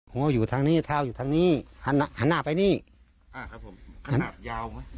หัวอยู่ทางนี้เท้าอยู่ทางนี้หันหันหน้าไปนี่อ่าครับผมขนาดยาวไหม